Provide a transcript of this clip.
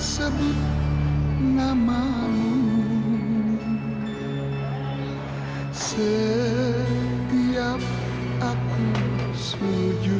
sedih nama lu setiap aku setuju